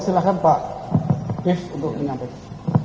silahkan pak biff untuk mengatakan